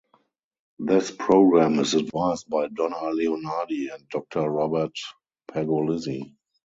This program is advised by Donna Leonardi and Doctor Robert Pergolizzi.